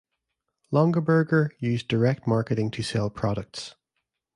Longaberger used direct marketing to sell products.